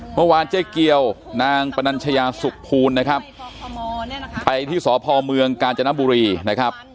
เมื่อวานเจ๊เกียวนางปนัญชยาสุขภูลนะครับไปที่สพเมืองกาญจนบุรีนะครับ